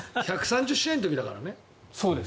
１３０試合の時だからね。